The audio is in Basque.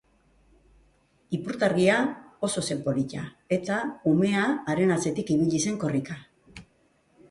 Ipurtargia oso zen polita eta umea haren atzetik ibili zen korrika.